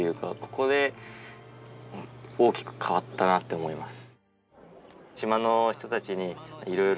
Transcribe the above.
ここで大きく変わったなって思います